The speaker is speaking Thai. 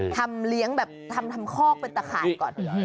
ทำเลี้ยงแบบทำเข้าไปตะขายก่อน